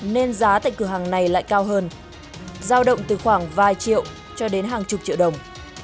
nên giá tại cửa hàng này lại cao hơn giao động từ khoảng vài triệu cho đến hàng chục triệu đồng